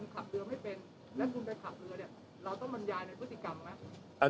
ตอบที่๕